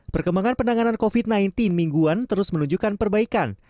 perkembangan penanganan covid sembilan belas mingguan terus menunjukkan perbaikan